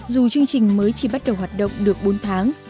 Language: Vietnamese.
dù chương trình mới chỉ bắt đầu hoạt động được bốn tháng